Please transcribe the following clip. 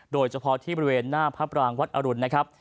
โดยเฉพาะที่บริเวณหน้าพระปรางวัดอรุณนะครับ